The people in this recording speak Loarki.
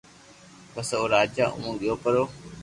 پسو او راجا اووہ گيو پرو